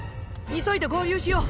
急いで合流しよう。